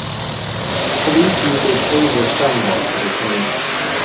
Police used a 'Taser' stun gun to detain him.